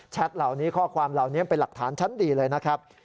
เหล่านี้ข้อความเหล่านี้เป็นหลักฐานชั้นดีเลยนะครับ